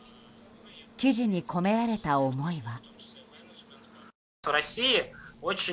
記事に込められた思いは。